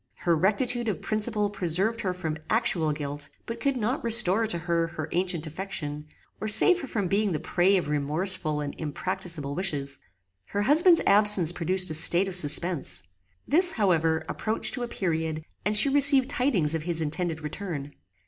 Her rectitude of principle preserved her from actual guilt, but could not restore to her her ancient affection, or save her from being the prey of remorseful and impracticable wishes. Her husband's absence produced a state of suspense. This, however, approached to a period, and she received tidings of his intended return.